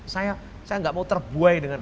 saya nggak mau terbuai dengan